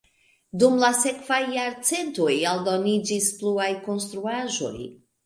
Dum la sekvaj jarcentoj aldoniĝis pluaj konstruaĵoj.